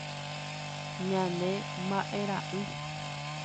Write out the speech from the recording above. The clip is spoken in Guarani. Ñane mbaʼerãʼỹ.